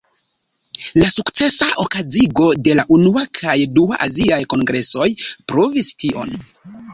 La sukcesa okazigo de la unua kaj dua aziaj kongresoj pruvis tion.